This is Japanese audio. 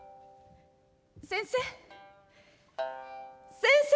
「先生先生」。